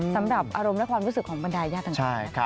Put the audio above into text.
สำหรับอารมณ์และความรู้สึกของบรรดายญาติต่าง